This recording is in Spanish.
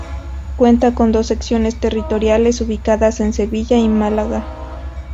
Cuenta con dos secciones territoriales ubicadas en Sevilla y Málaga.